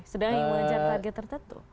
sedang mengejar target tertentu